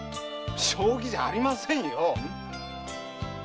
将棋じゃありませんよ。